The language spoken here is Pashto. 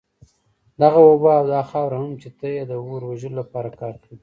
دغه اوبه او دا خاوره هم چي ته ئې د اور وژلو لپاره كاروې